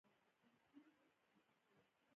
د ګاونډیو لاسپوڅي هېواد خرڅوي.